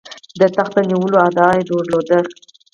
د تخت د نیولو ادعا درلوده.